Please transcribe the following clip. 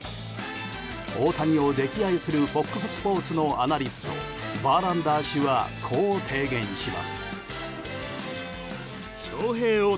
大谷を溺愛するＦＯＸスポーツのアナリストバーランダー氏はこう提言します。